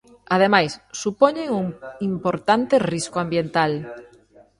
Ademais, supoñen un importante risco ambiental.